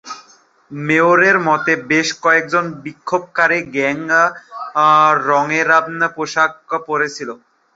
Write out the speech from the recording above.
মেয়রের মতে, বেশ কয়েকজন বিক্ষোভকারী গ্যাং রঙের পোশাক পরে ছিল।